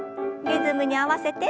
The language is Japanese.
リズムに合わせて。